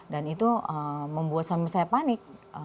dan itu membuat suami saya panik